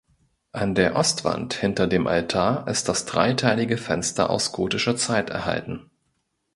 In der Ostwand hinter dem Altar ist das dreiteilige Fenster aus gotischer Zeit erhalten.